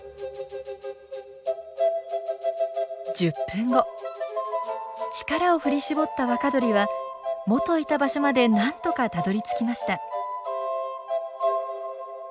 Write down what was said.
１０分後力を振り絞った若鳥は元いた場所までなんとかたどりつきました。